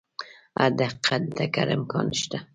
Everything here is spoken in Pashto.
هره دقیقه د ټکر امکان شته.